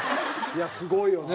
いやすごいよね。